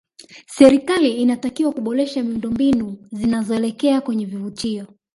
serikali inatakiwa kuboresha miundo mbinu zinazoelekea kwenye vivutio